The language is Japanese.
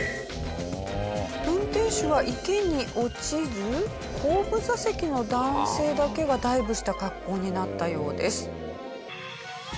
運転手は池に落ちず後部座席の男性だけがダイブした格好になったようです。